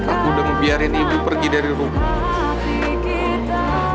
aku udah ngebiarin ibu pergi dari rumah